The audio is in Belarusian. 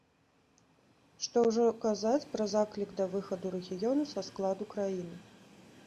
Што ўжо казаць пра заклік да выхаду рэгіёну са складу краіны.